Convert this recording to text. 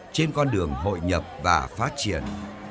trên con đường hội nhập và phát triển